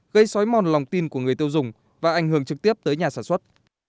gây xói mòn lòng tin của người tiêu dùng và ảnh hưởng trực tiếp tới nhà sản xuất